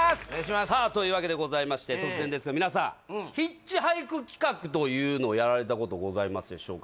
さあというわけでございまして突然ですが皆さんというのをやられたことございますでしょうか？